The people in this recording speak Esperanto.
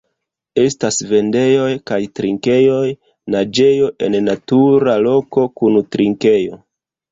Estas vendejoj kaj trinkejoj, naĝejo en natura loko kun trinkejo.